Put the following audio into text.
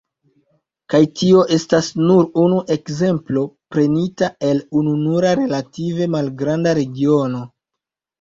Kaj tio estas nur unu ekzemplo prenita el ununura relative malgranda regiono.